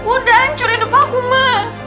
udah hancur hidup aku mah